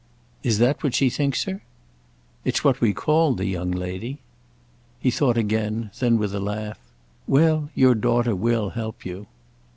"Is that what she thinks her?" "It's what we call the young lady." He thought again; then with a laugh: "Well, your daughter will help you."